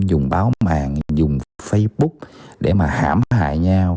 dùng báo mạng dùng facebook để mà hãm hại nhau